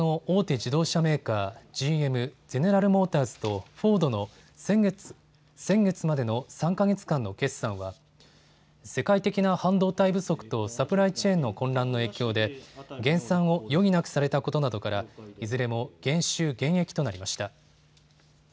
自動車メーカー、ＧＭ・ゼネラル・モーターズとフォードの先月までの３か月間の決算は世界的な半導体不足とサプライチェーンの混乱の影響で減産を余儀なくされたことなどから、いずれも減収減益となりました。